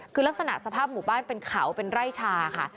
คือลักษณะสภาพหมู่บ้านเป็นเขาเป็นไร่ชาค่ะ